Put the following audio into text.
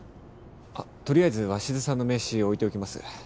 あっとりあえず鷲津さんの名刺置いておきます。